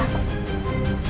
biar aku hadapi seorang ini